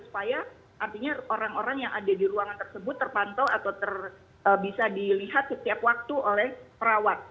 supaya artinya orang orang yang ada di ruangan tersebut terpantau atau bisa dilihat setiap waktu oleh perawat